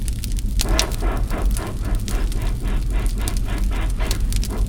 La gmina de Moskorzew est voisine des gminy de Nagłowice, Radków, Słupia et Szczekociny.